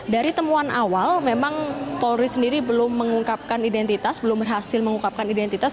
dari temuan awal memang polri sendiri belum mengungkapkan identitas belum berhasil mengungkapkan identitas